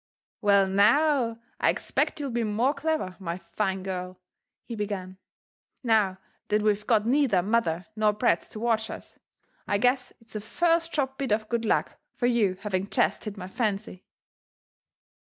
•' Well, now, I eicpect you'll be more clever, my fine girl," he began, '* now that we've got neither mother nor brats to watch us. I guess it's a first chop bit of good luck for you having jest hit my fancy."